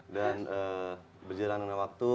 dan berjalan dengan waktu